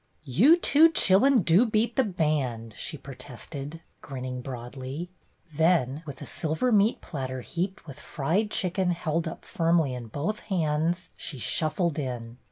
"You two chillun do beat de band," she protested, grinning broadly. Then with the silver meat platter heaped with fried chicken held up firmly in both hands, she shuffled in.